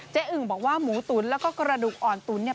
อึ่งบอกว่าหมูตุ๋นแล้วก็กระดูกอ่อนตุ๋นเนี่ย